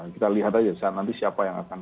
kita lihat aja nanti siapa yang akan